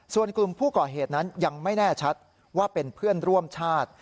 ส่วนกลุ่มผู้ก่อเหตุนั้นยังไม่แน่ชัดว่าเป็นเพื่อนร่วมชาติ